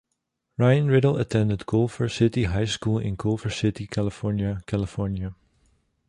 Ryan Riddle attended Culver City High School in Culver City, California, California.